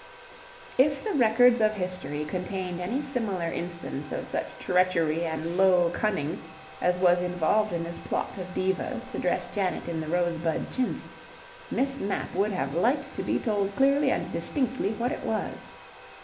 If the records of history contained any similar instance of such treachery and low cunning as was involved in this plot of Diva's to dress Janet in the rosebud chintz, Miss Mapp would have liked to be told clearly and distinctly what it was.